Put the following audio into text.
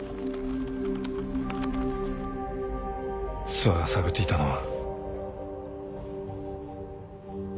諏訪が探っていたのは。